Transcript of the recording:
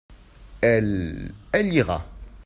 elle, elle lira.